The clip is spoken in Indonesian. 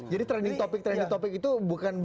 jadi trending topic itu bukan